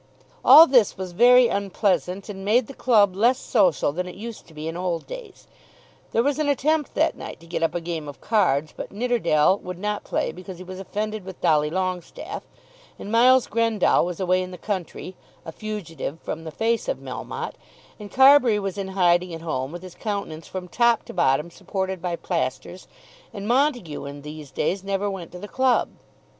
All this was very unpleasant and made the club less social than it used to be in old days. There was an attempt that night to get up a game of cards; but Nidderdale would not play because he was offended with Dolly Longestaffe; and Miles Grendall was away in the country, a fugitive from the face of Melmotte, and Carbury was in hiding at home with his countenance from top to bottom supported by plasters, and Montague in these days never went to the club.